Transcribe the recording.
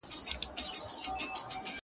o يتيم په ژړا پوخ دئ!